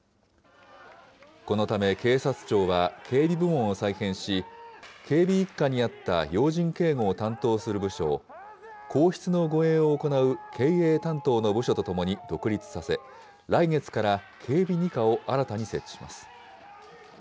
このため警察庁は、警備部門を再編し、警備１課にあった要人警護を担当する部署を、皇室の護衛を行う経営担当の部署とともに独立させ、来月から警備２課を新たに設置します。